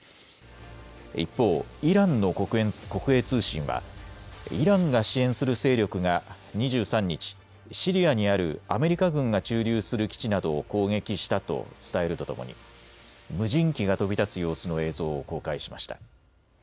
一方、イランの国営通信はイランが支援する勢力が２３日、シリアにあるアメリカ軍が駐留する基地などを攻撃したと伝えるとともに無人機が飛び立つ様子の映像を公開しました。